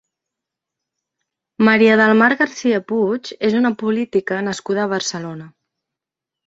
María del Mar García Puig és una política nascuda a Barcelona.